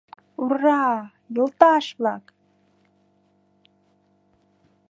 Ура-а, йолташ-влак!